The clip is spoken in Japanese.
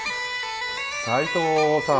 斎藤さん